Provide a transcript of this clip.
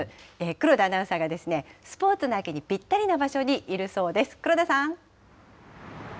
黒田アナウンサーが、スポーツの秋にぴったりな場所にいるそうです。